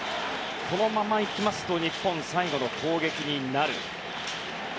このままいきますと日本、最後の攻撃になる。